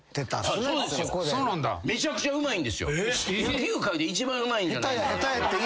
野球界で一番うまいんじゃ。